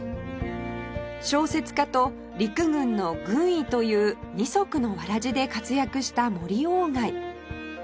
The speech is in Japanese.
小説家と陸軍の軍医という二足のわらじで活躍した森外